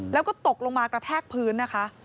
แล้วก็ตกลงมากระแทกพื้นนะคะ